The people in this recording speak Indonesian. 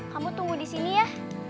kamu tunggu di sini ya